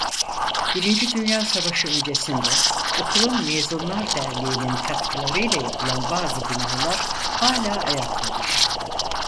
Birinci Dünya Savaşı öncesinde okulun mezunlar derneğinin katkılarıyla yapılan bazı binalar hala ayaktadır.